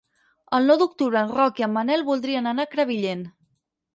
El nou d'octubre en Roc i en Manel voldrien anar a Crevillent.